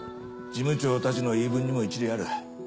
事務長たちの言い分にも一理ある。